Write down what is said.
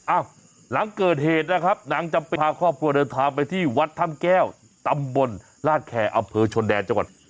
อ้าวหลังเกิดเหตุนะครับหนังจำเป็นพาครอบครัวเดินทางไปที่วัดธรรมแก้วตำบลราชแข่อเผลอชนแดนจังหวัด